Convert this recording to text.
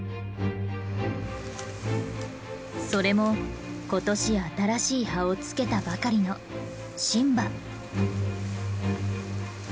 それも今年新しい葉をつけたばかりの新葉。